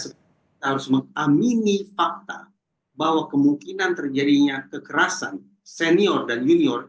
kita harus mengamini fakta bahwa kemungkinan terjadinya kekerasan senior dan junior